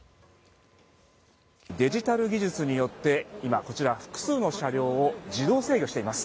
デジタル技術によって今、こちら複数の車両を自動制御しています。